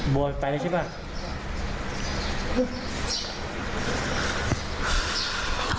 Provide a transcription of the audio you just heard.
บัวไปเลยใช่ป่ะ